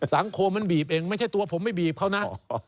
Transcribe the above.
สังคมมันบีบเองไม่ใช่ตัวผมไม่บีบเขานะ